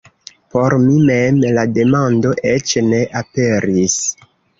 Por mi mem la demando eĉ ne aperis.